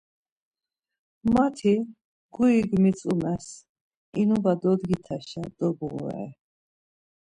Mati gurik mitzumels, inuva dodgitaşa dobğurare.